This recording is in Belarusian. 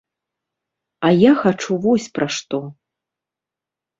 А я хачу вось пра што.